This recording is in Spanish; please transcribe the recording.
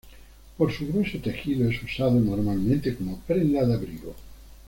Por su grueso tejido es usado normalmente como prenda de abrigo.